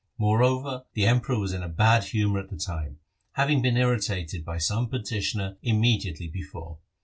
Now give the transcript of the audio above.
Moreover, the Emperor was in a bad humour at the time, having been irritated by some petitioner immediately before.